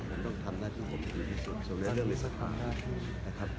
ผมต้องทำหน้าที่เป็นของผมที่ดีที่สุด